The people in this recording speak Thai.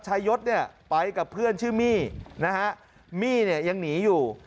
ชายศรัชดาไปกับเพื่อนชื่อมี่นะฮะมี่ยังหนีอยู่